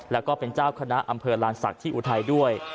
แล้วก็เป็นเจ้าคณะอำเภอลานศักดิ์ที่อุทัยด้วย